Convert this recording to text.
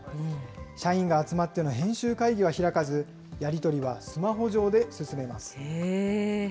社員が集まっての編集会議は開かず、やり取りはスマホ上で進めます。